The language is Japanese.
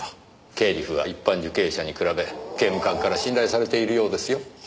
経理夫は一般受刑者に比べ刑務官から信頼されているようですよ。